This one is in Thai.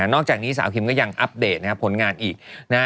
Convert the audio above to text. อกจากนี้สาวคิมก็ยังอัปเดตผลงานอีกนะฮะ